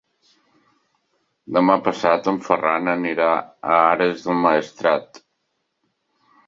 Demà passat en Ferran anirà a Ares del Maestrat.